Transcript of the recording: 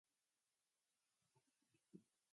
Grabado en directo.